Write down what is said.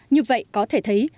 như vậy có thể thấy